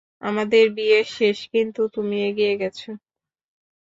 আমাদের বিয়ে শেষ, কিন্তু তুমি এগিয়ে গেছো।